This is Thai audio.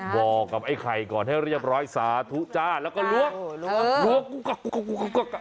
บอกกับไอ้ไข่ก่อนให้เรียบร้อยสาธุจาตแล้วก็ล้วง